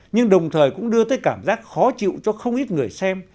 nhưng đồng thời cũng đưa tới cảm giác khó chịu cho không ít người xem